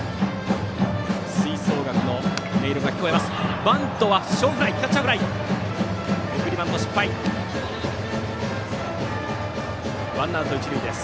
吹奏楽の音色が聞こえます。